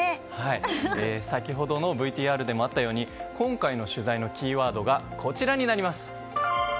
先ほどのＶＴＲでもあったように今回の取材のキーワードがこちらになります。